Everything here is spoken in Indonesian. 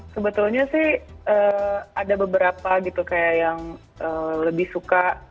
sebetulnya sih ada beberapa gitu kayak yang lebih suka